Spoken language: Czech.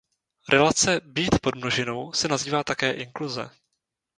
Relace „být podmnožinou“ se nazývá také inkluze.